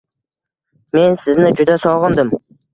Men sizni juda sog’indim.